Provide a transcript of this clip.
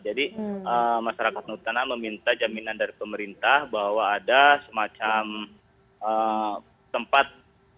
jadi masyarakat nusantara meminta jaminan dari pemerintah bahwa ada semacam tempat